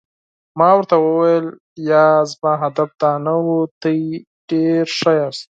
ما ورته وویل: نه، زما هدف دا نه و، تاسي ډېر ښه یاست.